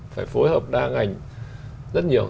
phải phối hợp đa ngành rất nhiều